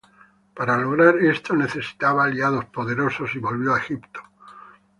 Para lograr esto necesitaba aliados poderosos, y volvió a Egipto.